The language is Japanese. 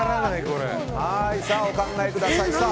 お考えください。